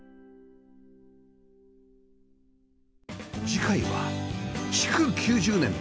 次回は築９０年